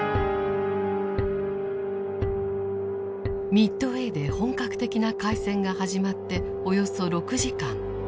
ミッドウェーで本格的な海戦が始まっておよそ６時間。